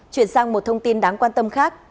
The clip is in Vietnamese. chuyển sang một thông tin đáng quan tâm khác